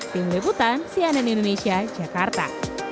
tim liputan cnn indonesia jakarta